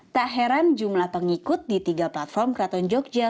tak heran jumlah pengikut di tiga platform keraton jogja